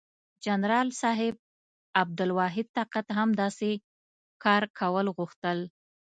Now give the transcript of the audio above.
جنرال صاحب عبدالواحد طاقت هم داسې کار کول غوښتل.